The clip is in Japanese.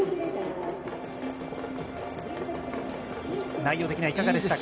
内容的にはいかがでしたか。